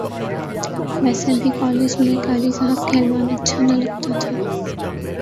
ویسے بھی کالج میں قاری صاحب کہلوانا اچھا نہ لگتا تھا